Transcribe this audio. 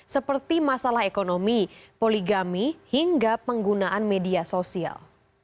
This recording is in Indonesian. seperti masalah ekonomi poligami hingga penggunaan media sosial